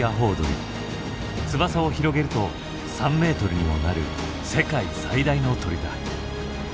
翼を広げると３ｍにもなる世界最大の鳥だ。